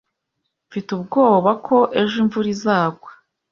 Mfite ubwoba ko ejo imvura izagwa.